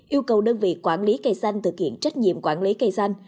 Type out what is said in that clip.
yêu cầu đơn vị quản lý cây xanh thực hiện trách nhiệm quản lý cây xanh